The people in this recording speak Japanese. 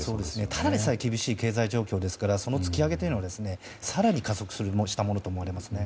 ただでさえ厳しい経済状況ですから突き上げを更に加速したものと思われます。